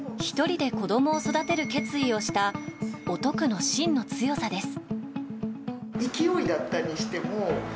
１人で子供を育てる決意をしたお徳の芯の強さです。